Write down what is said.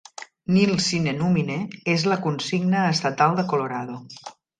"Nil sine numine" és la consigna estatal de Colorado.